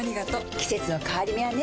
季節の変わり目はねうん。